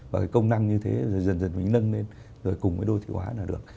và cái công năng như thế rồi dần dần mình nâng lên rồi cùng với đô thị hóa là được